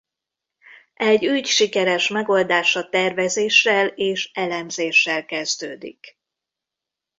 Egy ügy sikeres megoldása tervezéssel és elemzéssel kezdődik.